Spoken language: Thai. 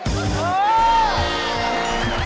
โอ้โฮ